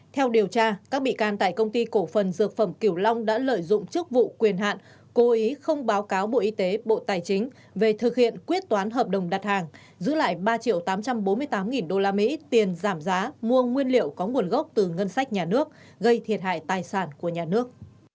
theo điều tra các bị can tại công ty cổ phần dược phẩm kiểu long đã lợi dụng chức vụ quyền hạn cố ý không báo cáo bộ y tế bộ tài chính về thực hiện quyết toán hợp đồng đặt hàng giữ lại ba tám trăm bốn mươi tám usd tiền giảm giá mua nguyên liệu có nguồn gốc từ ngân sách nhà nước gây thiệt hại tài sản của nhà nước